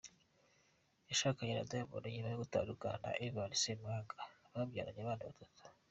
Yashakanye na Diamond nyuma yo gutandukana na Ivan Ssemwanga babyaranye abana batatu.